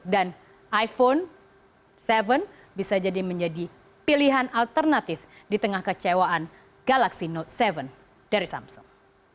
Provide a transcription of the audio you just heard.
dan iphone tujuh bisa jadi menjadi pilihan alternatif di tengah kecewaan galaxy note tujuh dari samsung